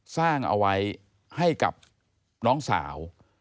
สร้างเอาไว้ให้กับน้องสาว